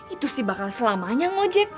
itu sih bakal selamanya ngojek